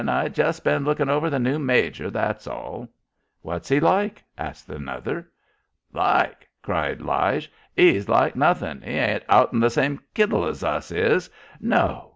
I jest been lookin' over the new major that's all." "What's he like?" asked another. "Like?" cried Lige. "He's like nothin'. He ain't out'n the same kittle as us. No.